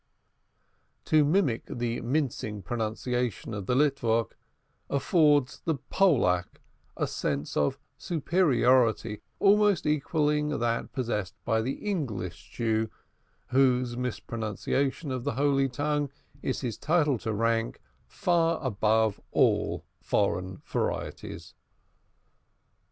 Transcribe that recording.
To mimic the mincing pronunciation of the "Litvok" affords the "Pullack" a sense of superiority almost equalling that possessed by the English Jew, whose mispronunciation of the Holy Tongue is his title to rank far above all foreign varieties.